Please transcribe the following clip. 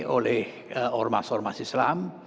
oleh ormas ormas islam